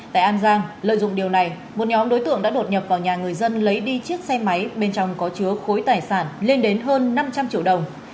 tại an giang lợi dụng điều này một nhóm đối tượng đã đột nhập vào nhà người dân lấy đi chiếc xe máy bên trong có chứa khối tài sản lên đến hơn năm trăm linh triệu đồng